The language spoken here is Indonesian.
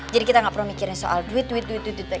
jadi kita gak perlu mikirin soal duit duit duit